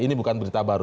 ini bukan berita baru